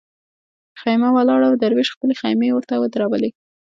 خېمه ولاړه وه دروېش خپلې خېمې ورته ودرولې.